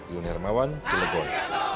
yuni hermawan telegon